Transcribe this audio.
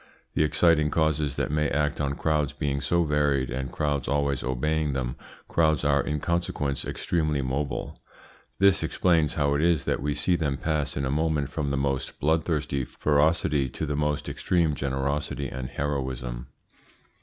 The exciting causes that may act on crowds being so varied, and crowds always obeying them, crowds are in consequence extremely mobile. This explains how it is that we see them pass in a moment from the most bloodthirsty ferocity to the most extreme generosity and heroism.